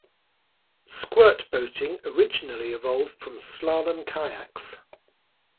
Squirt boating originally evolved from slalom kayaks.